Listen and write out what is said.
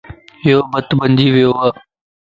يو بت بنجي ويووَ